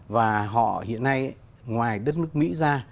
và họ hiện nay ngoài đất nước mỹ ra